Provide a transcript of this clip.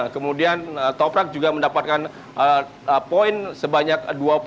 kemudian toprak juga mendapatkan poin sebanyak dua puluh